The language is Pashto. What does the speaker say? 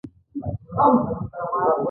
روبوټونه د انسان کار کوي